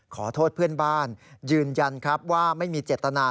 ขอโทษเพื่อนบ้านยืนยันครับว่าไม่มีเจตนา